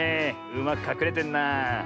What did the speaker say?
うまくかくれてんなあ。